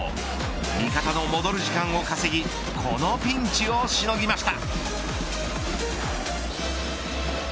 味方の戻る時間を稼ぎこのピンチをしのぎました。